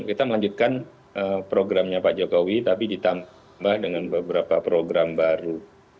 kita melanjutkan programnya pak jokowi tapi ditambah dengan beberapa program baru